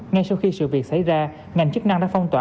ngay sau khi sự việc xảy ra ngành chức năng đã phong tỏa